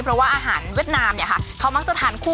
เพราะว่าอาหารเวียดนามเนี่ยค่ะ